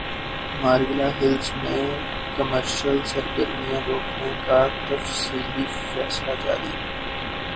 Margalla Hills میں commercial سرگرمیاں روکنے کا تفصیلی فیصلہ جاری